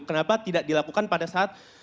kenapa tidak dilakukan pada saat